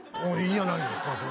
いいじゃないですか。